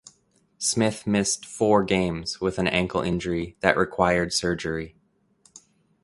Smith missed four games with an ankle injury that required surgery.